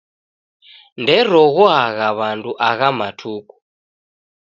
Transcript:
Nderoghoagha w'andu agha matuku